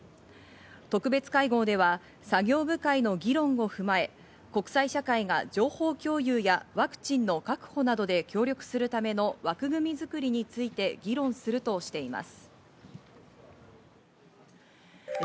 特別会合では作業部会の議論を踏まえ、国際社会が情報共有やワクチンの確保などで協力するための枠組みづくりについて議論するとしています。